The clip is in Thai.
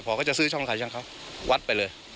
พอเขาจะซื้อช่องขายช่องเขาวัดไปเลย